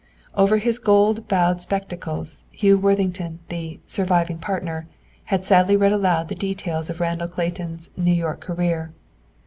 Over his gold bowed spectacles, Hugh Worthington, the "surviving partner," had sadly read aloud the details of Randall Clayton's "New York career."